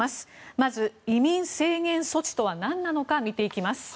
まず移民制限措置とは何なのか見ていきます。